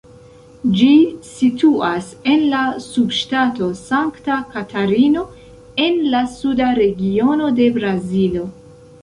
Ĝi situas en la subŝtato Sankta Katarino, en la suda regiono de Brazilo.